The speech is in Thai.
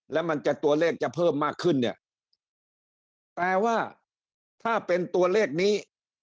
แล้วมันจะตัวเลขจะเพิ่มมากขึ้นเนี่ยแต่ว่าถ้าเป็นตัวเลขนี้